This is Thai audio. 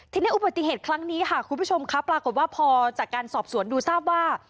ทีนี้อุบัติเหตุครั้งนี้ค่ะคุณผู้ชมครับปรากฏว่าพอจากการสอบสวนดูทราบว่า